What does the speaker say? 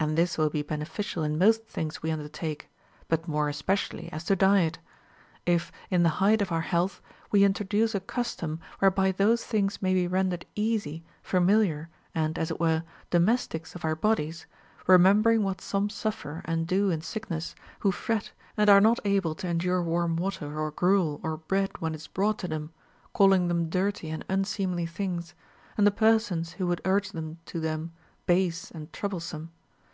And this will be beneficial in most things we undertake, but more especially as to diet ; if, in the height of our health, λλο introduce a custom whereby those things may be rendered easy, familiar, and, as it were, domestics of our bodies, remembering what some suffer and do in sick ness, who fret, and are not able to endure warm water or gruel or bread when it is brought to them, calling them dirty and unseemly things, and the persons who would urge them to them base and troublesome.